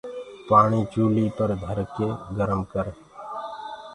پآڻي چوليٚ پر ڌرڪي گرم ڪر۔